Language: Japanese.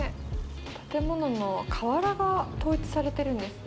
建物の瓦が統一されてるんですね。